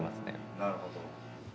なるほど。